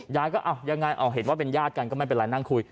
ยายก็อ้าวยังไงเห็นว่าเป็นญาติกันก็ไม่เป็นไรนั่งคุย